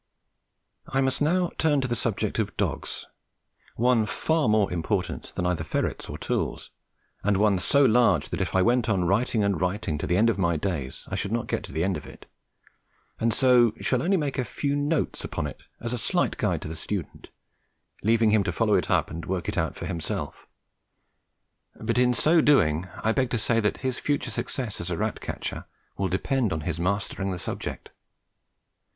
I must now turn to the subject of dogs one far more important than either ferrets or tools, and one so large that if I went on writing and writing to the end of my days I should not get to the end of it, and so shall only make a few notes upon it as a slight guide to the student, leaving him to follow it up and work it out for himself; but in so doing I beg to say that his future success as a rat catcher will depend on his mastering the subject.